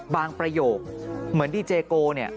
ประโยคเหมือนดีเจโกเนี่ย